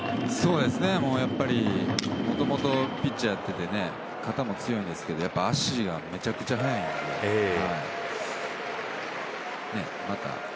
やっぱり、もともとピッチャーをやっていて肩も強いんですが足がめちゃくちゃ速いので。